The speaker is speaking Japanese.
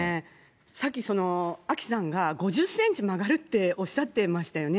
さっき、アキさんが５０センチ曲がるっておっしゃってましたよね。